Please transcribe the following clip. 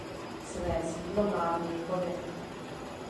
Své sídlo má v Mnichově.